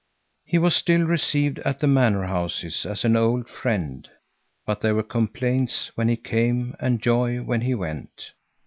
He was still received at the manor houses as an old friend, but there were complaints when he came and joy when he went.